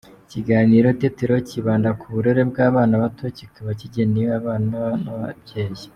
Ikiganiro Itetero kibanda ku burere bw’abana bato kikaba kigenewe abana n’ababyeyi.